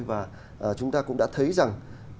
và chúng ta cũng đã thấy rằng